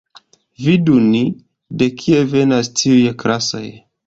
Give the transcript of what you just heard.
Vidu ni, de kie venas tiuj klasoj.